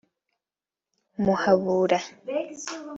Muhabura